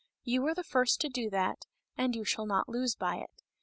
You are the first to do that, and you shall not lose by it.